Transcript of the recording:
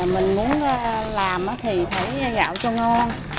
mình muốn làm thì phải gạo cho ngon